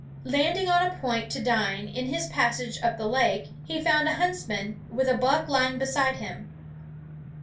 Landing on a point to dine, in his passage up the lake, he found a huntsman, with a buck lying beside him.